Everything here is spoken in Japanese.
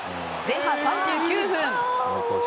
前半３９分。